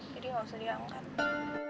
jadi harus dia ngangkatnya